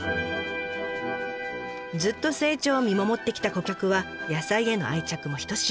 ずっと成長を見守ってきた顧客は野菜への愛着もひとしお。